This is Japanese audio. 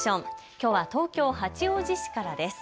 きょうは東京八王子市からです。